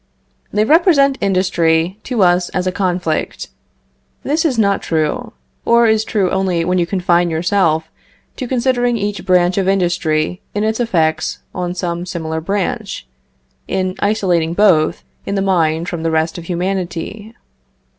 They represent industry to us as a conflict. This is not true; or is true only when you confine yourself to considering each branch of industry in its effects on some similar branch in isolating both, in the mind, from the rest of humanity.